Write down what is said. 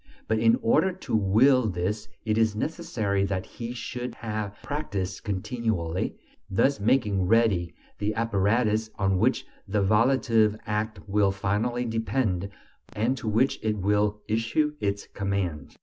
but in order to will this it is necessary that he should have practised continually, thus making ready the apparatus on which the volitive act will finally depend, and to which it will issue its commands.